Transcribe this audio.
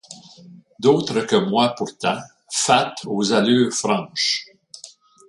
D'autres que moi pourtant, fats aux allures franches